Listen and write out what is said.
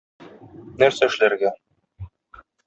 Нәрсә эшләргә?